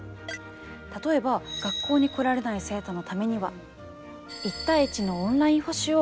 例えば学校に来られない生徒のためには１対１のオンライン補習を行います。